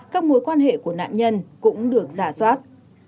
các mối quan hệ của nạn nhân cũng được giả soát